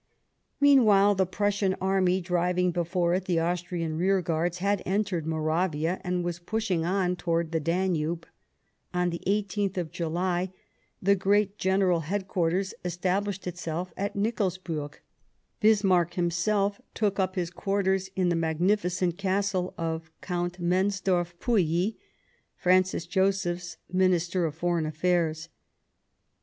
Meanwhile the Prussian army, driving before it the Austrian rearguards, had entered Moravia and was pushing on towards the Danube ; on the i8th of July, the Great General Headquarters estab lished itself at Nikolsburg ; Bismarck himself took up his quarters in the magnificent castle of Count Mensdorff Pouilty, Francis Joseph's Minister for Foreign Affairs.